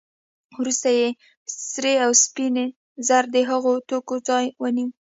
وروسته سرې او سپینې زر د هغو توکو ځای ونیو